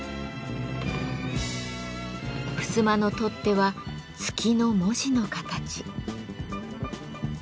ふすまの取っ手は「月」の文字の形。